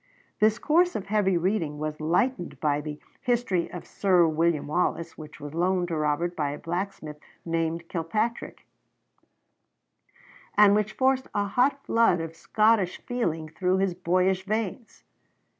This course of heavy reading was lightened by the 'History of Sir William Wallace,' which was loaned to Robert by a blacksmith named Kilpatrick, and which forced a hot flood of Scottish feeling through his boyish veins.